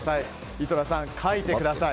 井戸田さん、書いてください。